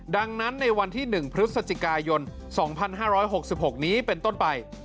ดังนั้นในวันที่๑พฤศจิกายน๒๕๖๖นี้เป็นต้นไป